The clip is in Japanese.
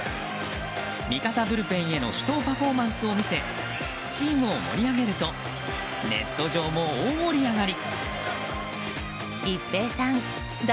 味方ブルペンへの手刀パフォーマンスを見せチームを盛り上げるとネット上も大盛り上がり！